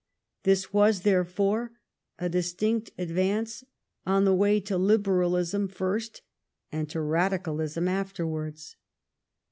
This was, therefore, a distinct ad vance on the way to Liberalism first, and to Radi calism afterwards.